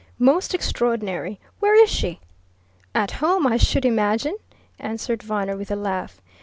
"Most extraordinary! Where is she?" "At home, I should imagine," answered Viner with a laugh.